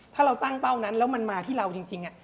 ถ้าเราตั้งเป้านั้นแล้วมันมาที่เราจริง